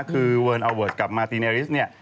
คือเวิร์นอาเวิร์ดกับมาติเนริสเนี่ย